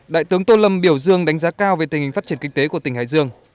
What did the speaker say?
đại tướng tô lâm biểu dương đánh giá cao về tình hình phát triển kinh tế của tỉnh hải dương